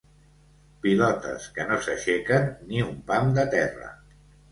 Pilotes que no s'aixequen ni un pam de terra.